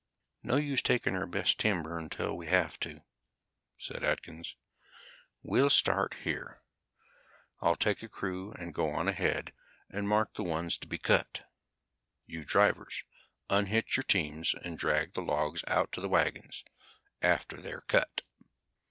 "No use taking our best timber until we have to," said Atkins. "We'll start here. I'll take a crew and go on ahead and mark the ones to be cut. You drivers unhitch your teams and drag the logs out to the wagons after they're cut."